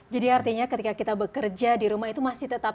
jadi artinya ketika kita bekerja di rumah itu masih tetap tahan